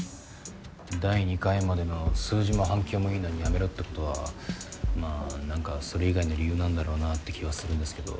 第２回までの数字も反響もいいのにやめろってことはまあ何かそれ以外の理由なんだろうなって気はするんですけど。